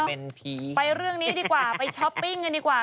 เป็นผีไปเรื่องนี้ดีกว่าไปช้อปปิ้งกันดีกว่า